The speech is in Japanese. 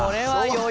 はい。